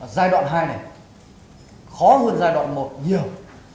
giai đoạn hai này khó hơn giai đoạn một nhiều